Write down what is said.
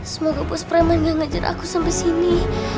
semoga pos preman gak ngajar aku sampai sini